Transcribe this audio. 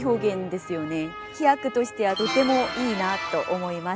飛躍としてはとてもいいなと思います。